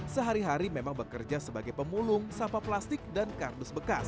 sehari hari memang bekerja sebagai pemulung sampah plastik dan kardus bekas